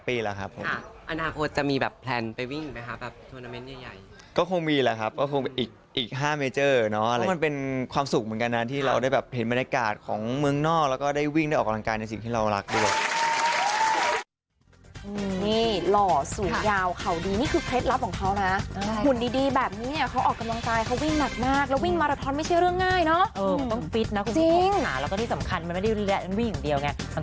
วิ่งได้ออกกำลังกายในสิ่งที่เรารักด้วย